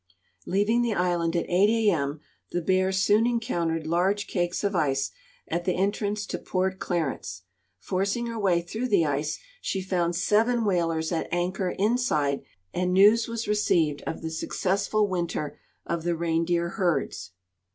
Leaving the island at 8 a. m., the Bear soon encountered large cakes of ice at the entrance to Port Clarence. Forcing her Avay through the ice, she found seven Avhalers at anclior inside, and news Avas receiA'cd of the successful winter of the reindeer herds.